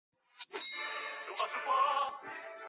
郑绥挟持黎槱退往安朗县。